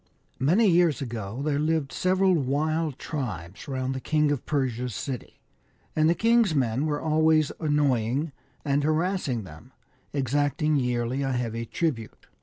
MANY years ago there lived several wild tribes round the King of Persia's city, and the king's men were always annoying and harassing them, exacting yearly a heavy tribute.